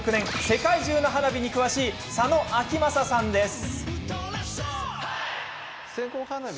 世界中の花火に詳しい佐野明正さんです。